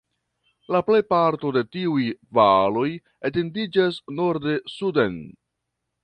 La plejparto de tiuj valoj etendiĝas norde-suden.